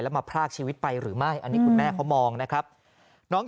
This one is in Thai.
แล้วมาพลากชีวิตไปหรือไม่นี้ม้าเขามอง